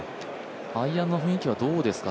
アイアンの雰囲気はどうですか。